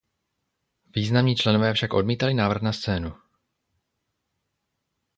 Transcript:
Významní členové však odmítali návrat na scénu.